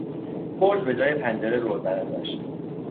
برج بهجای پنجره روزنه داشت.